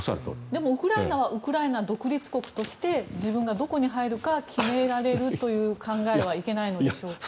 でも、ウクライナはウクライナ独立国として自分がどこに入るか決められるという考えはいけないのでしょうか。